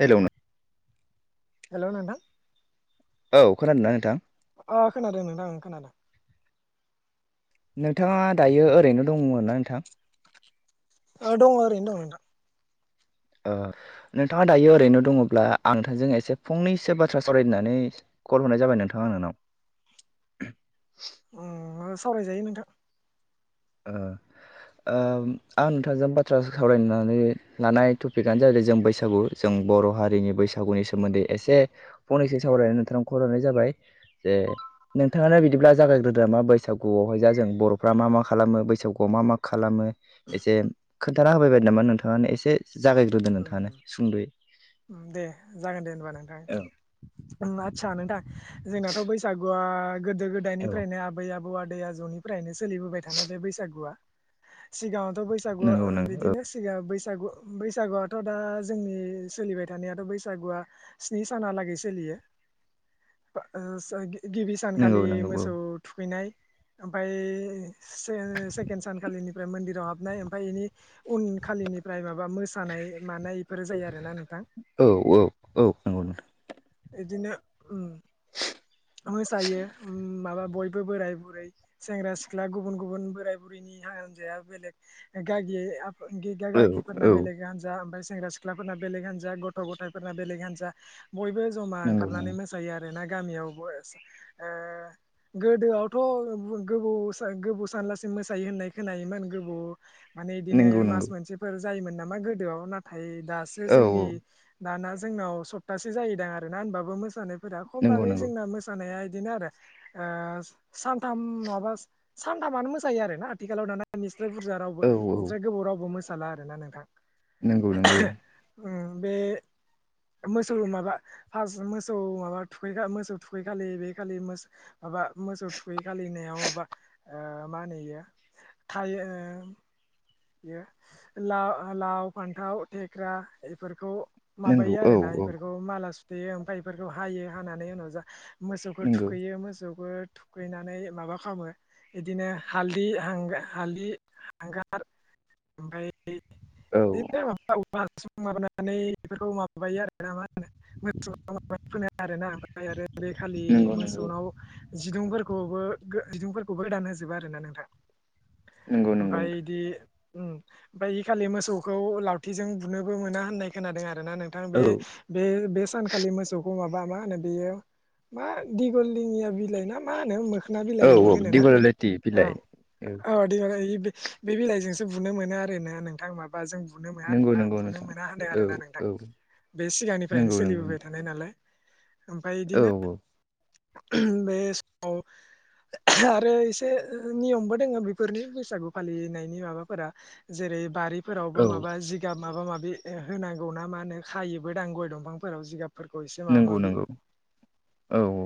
Hello नो हेल' नोंथां औ खोनादोंना नोंथां? अ खोनादों नोंथां ओ खोनादों। नोंथाङा दायो ओरैनो दंमोन ना नोंथां? ओ दंओहो ओरैनो दङ नोंथां नोंथाङा दायो ओरैनो दङब्ला आं नोंथांजों एसे फंनैसो बाथ्रा सावरायनानै कल हरनाय जाबाय नोंथाङा नोंनाव ओ सावरायजायो नोंथां ओ ओ आं नोंथांजों बाथ्रा सावरायनानै लानाय टपिकआनो जाहैबाय जों बैसागु जों बर' हारिनि बैसागुनि सोमोन्दै एसे फंनैसो सावरायनानै नोंथां खरहनाय जाबाय जे नोंथाङानो बिदिब्ला जागायग्रोदो मा बैसागुआवहाय जों बर'फ्रा मा मा खालामो बैसागुआव मा मा खालामो एसे खोन्थाना होबाय बाय नामा नोंथाङानो एसे जागायग्रोदो नोंथाङानो उम सुंद'यै। दे जागोन दे होनबा नोंथां। आदसा नोंथां जोंनाथ' बैसागु वा गोदो औ गोदायनिफ्रायनो आबै आबौ आदै आजौनिफ्रायनो सोलिबोबाय थानाय बे बैसागुआ सिगाङावथ' बैसागु नंगौ नंगौ औ बिदिनो सिगां बैसागुआथ' दा जोंनि सोलिबाय थानायाथ' बैसागुआ स्नि सानालागै सोलियो ओ गिबि नंगौ सानखालि नंगौ मोसौ थुखैनाय ओमफ्राय सेकेण्ड सानखालिनिफ्राय मन्दिराव हाबनाय ओमफ्राय बेनि उनखालिनिफ्राय माबा मोसानाय मानायफोर जायो आरोना नोंथां औ औ औ नंगौ इदिनो उम मोसायो माबा बयबो बोराय बुरै सेंग्रा सिख्ला गुबुन गुबुन बोराय बुरैनि हान्जाया बेलेग गागियै गिगा गागिफोरना औ औ बेलेग हान्जा ओमफ्राय सेंग्रा सिख्लाफोरना बेलेग हान्जा गथ' गथायफोरना बेलेग हान्जा बयबो ज'मा नंगौ ओंखारनानै नंगौ मोसायो आरो ओरै ना गामियाव ओ गोदोआवथ' गोबौ गोबौ सानलासि मोसायो होन खोनायोमोन गोबाव माने बिदिनो नंगौ मास नंगौ मोनसेफोर जायोमोन नामा गोदोआव नाथाय दासो औ जोंनि औ दाना जोंनाव सप्तासे जाहैदों आरोना होनोमबाबो मोसानायफोरा खम नंगौ बागै नंगौ ओ मोसानाया इदिनो आरो ओ सानथाम नङाबा सानथामानो मोसायो आरोना। आथिखालाव नाना निस्रा बुरजा औ रावबो औ नस्रा गोबाव रावबो मोसाला आरो ना नोंथां। नंगौ नंगौ उम बे मोसौ माबा फार मोसौ माबा थुखैग्रा मोसौ मोसौ थुखै खालि बे खालि‌ माबा मोसौ थुखै खालिनायाव माबा ओ मा होनोयो थायो बेयो ललाव फान्थाव थेख्रा बेफोरखौ नंगौ माबायो औ आरोना औ इफोरखौ माला सुथेयो ओमफाय इफोरखौ हायो हानानै उनाव जा मोसौखौ नंगौ थुखैयो मोसौ थुखैनानै माबा खालामो बिदिनो हालदि हांगार ओमफ्राय औ बिनो माबा बालथिं माबानानै बेफोरखौ माबाबायो आरो ना मा होनो [unintelligible] आरोना ओमफ्राय आरो बे खालि नंगौ नंगौ मोसौनाव जिरुं- खौबो बिदुंफोरखौबो रान होजोबो आरो ना नोंथां नंगौ नंगौ ओमफफ्राय बे खालि मोसौखौ लावथिजों बुनोबो मोना होननाय खोनादों आरो नोंथां औ बे बे सानखालि मोसौखौ माबा बा मा होनो बियो मा दिगलदिंनिया बिलाइ ना माहोनो म खखोना औ बिलाइ औ होनो ना? दिगलायथि बिलाइ औ औ दि बे बिलाइजोंसो बुनो मोनो आरोना नोंथां माबाजों बुनो मोना नंगौ नंगौ बुनो नोंथां मोना होनदों औ आरो ना नोंथां औ बे सिगांनिफ्रायनो नंगौ नंगौ सोलिबोबाय थानाय नालाय ओमफ्राय औ बिदिनो बे समाव [inaudible] आरो एसे नियमबो दोङो बेफोरनि बैसागु फालिनायनि माबाफोरा जेरै बारि औ फोरावबो माबा जिगाब माबा माबि होनांगौ ना मा होनो खायोबो दां गय दंफांफोराव जिगाब नंगौ नंगौ औ औ।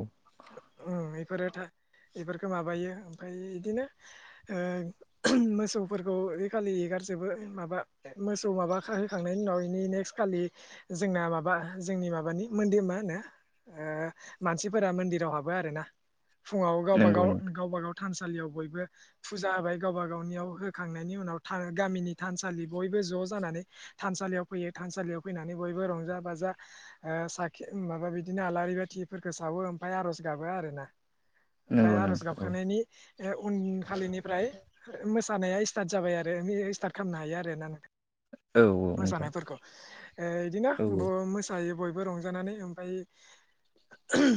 बेफोरो इफोरखो माबायो ओमफ्राय इदिनो ओ मोसौफोरखौ ओइखालि जोबोर माबा मोसौ माबा होखांनायनि उनाव इनि नेक्सखालि जोंना माबा जों फुंनिनि माबानि मोनदि मा होनो ओ मानसि फोरा मन्दिराव हाबो आरो ना फुङाव गावबा नंगौ गाव नंगौ गावबा गाव थानसालियाव बयबो फुजा होबाय गावबा गावनियाव होखांनायनि उनाव था गामिनि थानसालि बयबो ज' जानै थसालियाव फैनानै बयबो रंजा बाजा माबा बिदिनो आलारि बाथिख सावो ओमफ्राय आर'ज गाबो आरो ना नंगौ ओमफ्राय आर'ज नंगौ औ गाबखांनायनि उन खालिनिफ्राय मोसानाया स्टार्ट जाबाय आरो स्टार्ट खालामनो हायो आरो ना औ औ नोंथां मोसानायफोरखौ बिदिनो औ मोसायो बयबो बो रंजानानै ओमफ्राय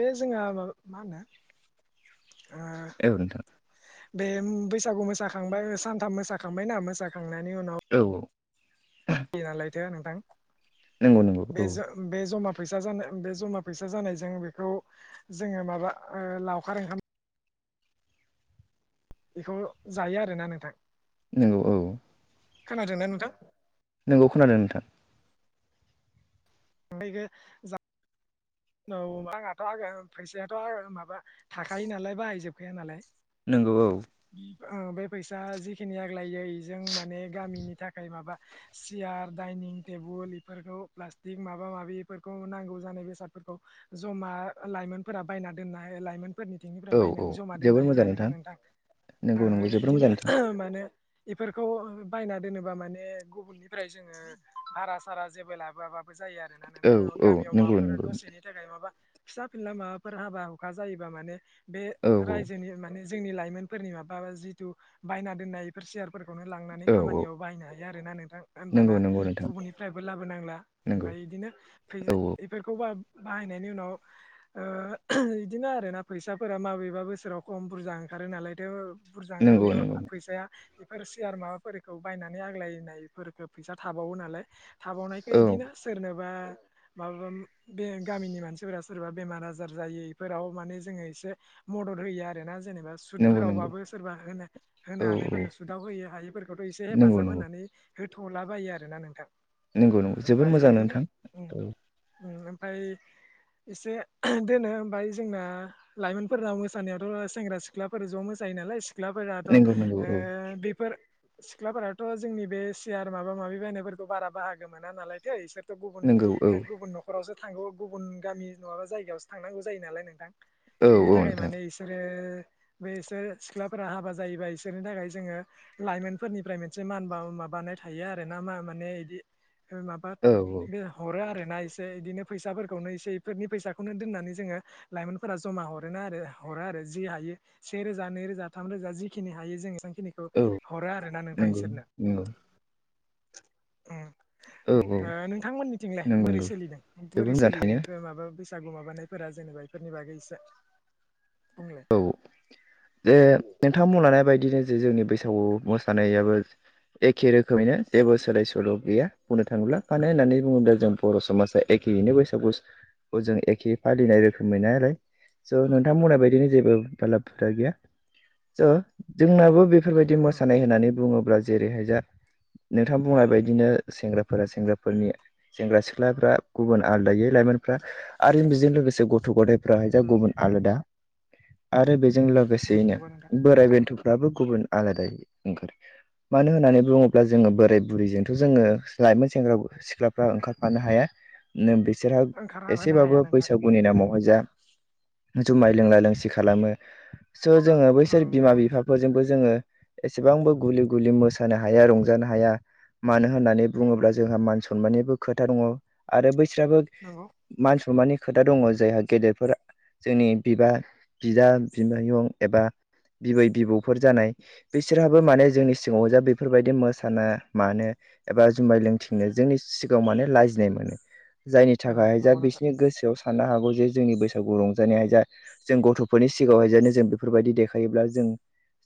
बे जोंहा मा मा होनो ओ ओव नोंथां‌ बे बैसागु मोसाखांबाय सानथाम मोसाखांबाय ना मोसाखांनायनि उनाव औ औ निनालायथो नोंथां नंगौ नंगौ औ बेजो बे जमा फैसा जानाय बे जमा फैसा जानायजों बेखौ जोङो माबा ओ लावखार ओंखाम बेखौ जायो आरोना नोंथां। नंगौ औ खोनादोंना नोंथां? नोंगौ खोनादों नोंथां। ओमफाय इखो जा औ आंहाथ' आ फैसायाथ' आ माबा थाखायो नालाय बाहायजोबखाया नालाय नंगौ औ ओ बे फैसा जिखिनि आग्लायो इजों माने गामिनि थाखाय माबा चियार डाइनिं टेबोल बेफोरखौ प्लास्टिक माबा माबिफोरखौ नांगौ जानाय बेसादफोरखौ जमा लायमोनफोरा बायना दोनाहाय लाइमोन फोरनिथिंनिफ्राय औ औ बायनानै जमा दोनना जोबोर होयो मोजां आरोना नोंथां नंगौ नंगौ जोबोर इदिनो मोजां नोंथां माने बेफोरखौ बायना दोनोबा माने गुबुननिफ्राय जोङो भारा सारा जेबो लाबोआबा जायो आरोना नोंथां औ गामियाव माबाफोर दसेनि मा फिसा फिनला माबाफोर हाबा हुखा जायोबा माने बे औ रायजोनि माने जोंनि लाइमोनफोरनि माबा जिथु बायना दोननाय बेफोर सेयार फोरखौनो लांनानै औ औ खामानियाव बाहायनो हायो आरोना नोंथां होनबाना नंगौ नंगौ नोंथां गुबुननिफ्रायबो लाबोनांला नंगौ ओमफ्राय इदिनो फै औ औ बेफोरखौबा बाहायनायनि उनाव ओ बिदिनो आरोना फैसाफोरा माबेबा बोसोराव खम बुरजा ओंखारो नालायथ' बुरजा नंगौ ओंखारनायाव नंगौ फैसाया इफोर सियार माबाफोरखौ बायनानै आग्लायनायफोरखौ फैसा थाबावो नालाय थाबावनायखौ औ बिदिनो सोरनोबा माबा बे गामिनि मानसिफोरा सोरबा बेमार आजार जायो इफोराव माने जोङो एसे मदद होयो आरोना। जेनेबा नंगौ नंगौ सुथफोरावबाबो सोरबा होना औ होनो हानायफोरनो सुदाव होयो हायिफोरखौथ' एसे नंगौ हेफाजाब नंगौ होनानै होथ'लाबायो आरोना नोंथां नंगौ नंगौ जोबोर ओमफ्राय मोजां नोंथां औ। फाय इसे दोनो ओमफाय जोंना लाइमोनफोरना मोसानायावथ' सेंग्रा सिख्लाफोर ज' मोसा जायो नालाय सिख्लाफोराथ' ओ नंगौ नंगौ औ बेफोर सिख्लाफोराथ जोंनि बे सियार माबा माबि बायनायफोरखौ बारा बाहागो मोना नालायथो इसोर थ गुबुन नंगौ औ गुबुन नखरावसो थांगौ गुबुन गामि नङाबा जायगायावसो थांनांगौ जायो नालाय नोंथां औ बिनि औ थाखाय नोंथां माने बिसोरो बेसोर सिख्लाफोरा हाबा जायोबा बिसोरनि थाखाय जोङो लाइमोनफोरनिफ्राय मोनसे मान बा मान माबानाय थायो आरोना मा माने बिदि माबा औ औ हरो आरोना इसे बिदिनो फैसाफोरखौनो इसेफोरनि फैसाखौनो दोननानै जोङो लाइमोनफोरा जमा हरो आरो हरो आरो जि हायो सेेरोजा नै रोजा थाम रोजा जिखिनि हायो जों एसे खिनिखौ औ हरो आरो ना नोंथां नंगौ इसोरनो नंगौ ओ औ औ नोंथांमोननिथिंलाय नंगौ बोरै नंगौ सोलिदों जोबोर बोरै मोजां सोलियो थाङो बेफोर माबा बैसागु माबानायफोरा जेनेबा बेफोरनि बागै इसे औ जे नोंथां बुंलांनाय बायदिनो जे जोंनि बैसागु मोसानायाबो एखे रोखोमैनो जेबो सोलाय सोल गैया बुंनो थाङोब्ला मानो होननानै बुङोबाजों उम बर समाजा एखेयैनो बैसागुखौ जों एखे फालिनाय रोखोमैनो आरो स' उम नोंथां बुनाय बायदिनो जेबो [unintelligible] गैया स जोंनाबो बे बेफोरबायदि उम मोसानाय होननानै बुङोब्ला जेरैहाय जा नोंथां बुंनाय बायदिनो सेंग्राफोरा सेंग्राफोरनि सेंग्रा सिख्लाफ्रा गुबुन आलदायै लाइमोनफ्रा आरो बिजों लोगोसे गथ' गथाय फ्रा जा उम गुबुन आलादा आरो बेजों ओं लोगोसेयैनो नंगौ नोंथां बोराइ बेन्थ' फोराबो गुबुन आलादायै ओंखारो मानो होननानै बुङोब्ला जोङो बोराय बुरैजोंथ जोङो लाइमोन सेंग्रा सिख्लाफ्रा ओंखारफानो हाया नोमबै बिसोरहा ओंखारहाबोनो एसेबाबो हाया नोंथां बैसागुनि नामावहाय जा जुमाय लोंला लोंसि ओं खालामो स' जोङो बैसोर ओं बिमा नंगौ नोंथां बिफाफोरजोंबो जोङो एसेबांबो गुलि गुलि मोसानो हाया रंजानो हाया मानो होननानै बुङोब्ला जोंहा मान सनमाननिबो खोथा दङ आरो बै स्राबो नंगौ मानसमानि खोथा दङ जायहा गेदेरफोर जोंनि बिबा बिदा बिमायं एबा बिबै बिबौफोर जानाय बिसोरहाबो माने जोंनि सिगाङाव जा बेफोरबायदि मोसानो मानो एबा जुमाय लोंथिंनो जोंनि सिगाङाव माने लाजिनाय मोनो। जायनि उम थाखाय जा नंगौ नोंथां बिसोरनि गोसोआव साननो हागौ जे जोंनि बैसागु रंजानाया जा जों गथफोरनि सिगाङावहाय जेनो जों बेफोरबायदि देखायोब्ला जों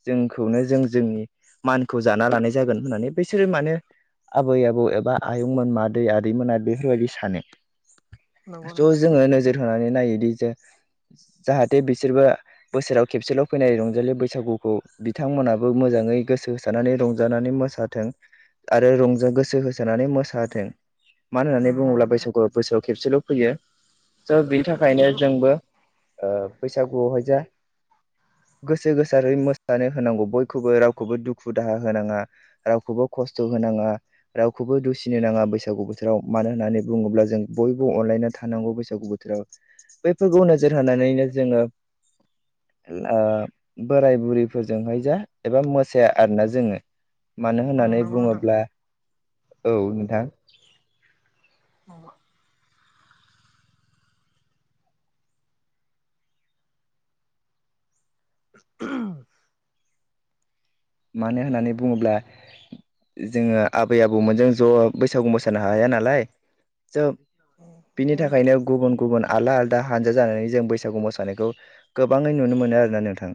जोंखौनो जों जोंनि मानखौ जाना लानाय जागोन होननानै बैसोरो माने आबै आबौ एबा आयंमोन मादै आदैमोना बेफोरबायदि सानो। नंगौ थ' नोंथां जोङो नोजोर होनानै नायोदि जे जाहाथे बिसोरबो बोसोराव खेबसेल' फैनाय रंजालि बैसागुखौ बिथांमोनहाबो मोजां ङै गोसो होसारनानै रंजानानै मोसाथों। आरो रंजा गोसो होसारनानै मोसाथों मानो उम होननानै नंगौ बुङोब्ला नोंथां बैसागु बोसोराव खेबसेल' फैयो स' बिनि थाखायनो नंगौ जोंबो ओ बैसागुहाय जा गोसो गोसारै मोसानो होनांगौ बयखौबो रावखौबो दुखु दाहा होनाङा रावखौबो खस्थ होन- नाङा रावखौबो दुसिनो नाङा बैसागु बोथोराव मानो होननानै बुङोब्ला जों बयबो अनलायना थानांगौ बैसागु बोथोराव बैफोरखौ नोजोर होनानैनो जोङो ओ आ बोराय बुरैफोरजोंहाय जा एबा मोसाया आरोना जोङो। मानो होननानै ओं नंगौ नोंथां बुङोब्ला औ नोंथां। ना [unintelligible] मानो होननानै बुङोब्ला जोङो आबै आबौमोन जों ज बैसागु मोसानो हाया नालाय जों बिनि थाखायनो गुबुन गुबुन आलदा आलादा हानजा जानानै जों बैसागु मोसानायखौ गोबाङै नुनो मोनो आरोना नोंथां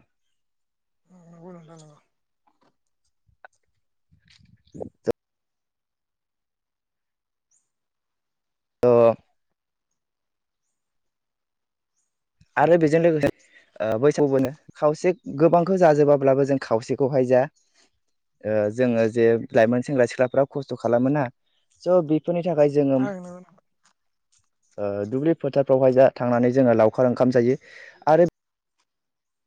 नंगौ उम नंगौ नोंथां [unintelligible] [inaudible] ओ आरो बेजों लोगोसे ओ बैसाग बो खावसे गोबांखौ जाजोबाब्लाबो जों खावसेखौहाय जा- ओ जोङो जे लाइमोन सेंग्रा सिख्लाफ्रा खस्थ खालामो ना स फोरनि थाखाय जोङो उम नंगौ नोंथां ओ दुब्लि फोथारफ्रावहाय जा थांनानै जोङो लाव- फोर ओंखाम जायो आरो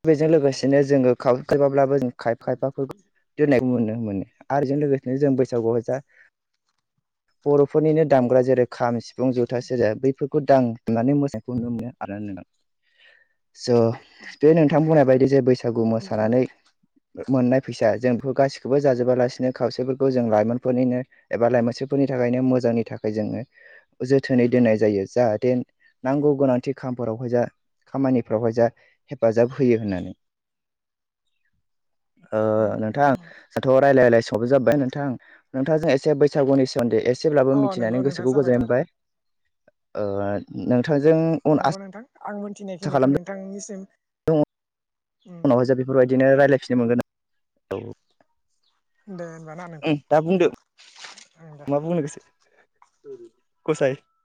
बेजों लोगोसेनो जोङो खाव खैबाब्लाबो जों खायफा खायफाखौ दोननायखौ नुनो मोनो आरो जों लोगोसेनो जों बैसागुआव जा बर'फोरनिनो दामग्रा जेरै खाम सिफुं जुथा सेरजा बैफोरखौ दामनानै मोसानायखौ नुनो मोनो आरो ना स' बे नोंथां बुंनाय बायदि जे बैसागु नंगौ ओं नंगौ नोंथां नंगौ मोसानानै नोंथां मोननाय फैसा जों बेफोर गासिखौबो जाजोबालासिनो खावसेफोरखौ जों लाइमोनफोरनिनो एबा लाइमोनफोरनि थाखायनो मोजांनि थाखाय जोङो जोथोनै दोननाय जायो जाहाथे नांगौ गोनांथि खामफोर बावहाय जा खामानिफ्रावहाय जा हेफाजाब होयो होननानै ओ उम नोंथां नंगौ दाथ रायजलाय रायलाय हरनाय जाबाय नोंथां नोंथांजों एसे बैसागुनि सोमोन्दै ए एसेब्लाबो अ मिथिनानै नंगौ नोंथां गोसोखौ जाबायथ' आरो गोजोनबाय औ नंगौ नोंथां आं मोनथिनायखिनिखौ खालामदों नोंथांनिसिम उम उनावहाय जों बेफोरबायदिनो रायलायफिनो मोनगोन औ दे होनबा ना दा बुंदो नोंथां ओं दे मा बुंनो गोसो गसाय